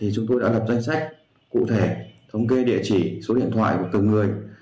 chúng tôi đã lập danh sách cụ thể thống kê địa chỉ số điện thoại của từng người